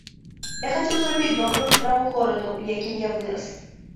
Я хацеў зрабіць добрую справу гораду, у якім я вырас.